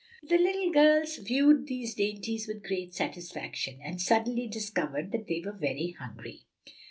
The little girls viewed these dainties with great satisfaction, and suddenly discovered that they were very hungry.